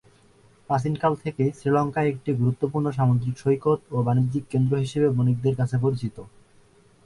প্রাচীনকাল থেকেই শ্রীলঙ্কা একটি গুরুত্বপূর্ণ সামুদ্রিক সৈকত ও বাণিজ্যিক কেন্দ্র হিসেবে বণিকদের কাছে পরিচিত।